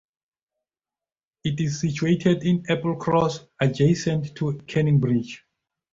It is situated in Applecross adjacent to Canning Bridge.